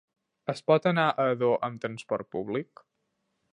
Es pot anar a Ador amb transport públic?